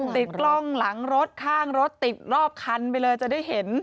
ติดกล้องหลังรถข้างรถติดรอบคันไปเลยจะได้เห็น